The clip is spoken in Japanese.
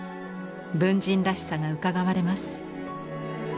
文人らしさがうかがわれます。